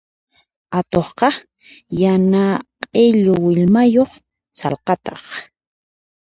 Atuqqa yana q'illu willmayuq sallqataq.